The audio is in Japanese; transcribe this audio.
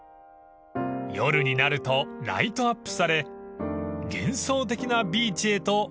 ［夜になるとライトアップされ幻想的なビーチへと変貌します］